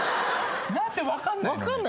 何で分かんないの？